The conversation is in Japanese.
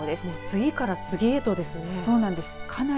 次から次へとですね。